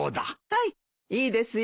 はいいいですよ。